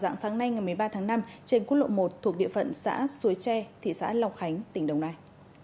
ngày một mươi ba tháng năm trên quốc lộ một thuộc địa phận xã suối tre thị xã lọc khánh tỉnh đồng nai